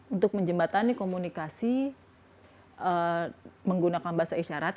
untuk menjembatani komunikasi menggunakan bahasa isyarat